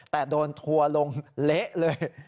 แต่โดนทัวร์ลงเละเลย